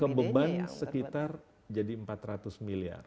kebeban sekitar jadi empat ratus miliar